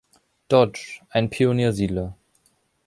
Dodge, ein Pioniersiedler.